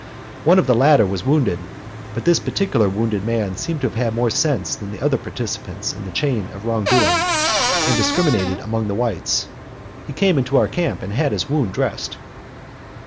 One of the latter was wounded; but this particular wounded man seemed to have more sense than the other participants in the chain of wrong doing, and discriminated among the whites. He came into our camp and had his wound dressed.